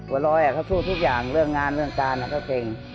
รอยเขาสู้ทุกอย่างเรื่องงานเรื่องการก็เก่ง